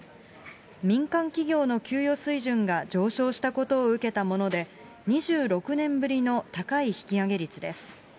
民間企業の給与水準が上昇したことを受けたもので、２６年ぶりの高い引き上げ率です。